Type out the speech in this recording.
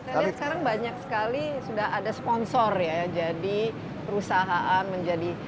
saya lihat sekarang banyak sekali sudah ada sponsor ya jadi perusahaan menjadi